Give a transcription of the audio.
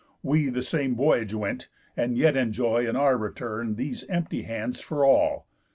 We the same voyage went, and yet enjoy In our return these empty hands for all.